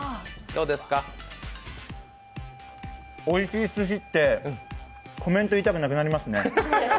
おいしいすしって、コメント言いたくなくなりますね。